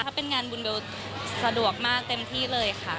ถ้าเป็นงานบุญเบลสะดวกมากเต็มที่เลยค่ะ